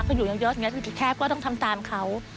เขาอยู่เยอะอยู่ที่แคบก็ต้องทำตามเขา